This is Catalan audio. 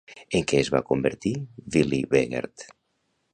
En què es va convertir Willy Begert?